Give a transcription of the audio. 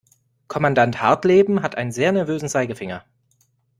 Kommandant Hartleben hat einen sehr nervösen Zeigefinger.